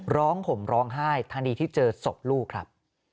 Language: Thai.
ห่มร้องไห้ทันทีที่เจอศพลูกครับ